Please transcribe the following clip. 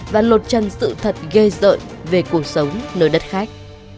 và lột trần sự thật ghê rợn về cuộc sống nơi đất khách